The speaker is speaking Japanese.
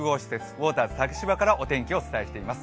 ウォーターズ竹芝からお天気をお伝えしています。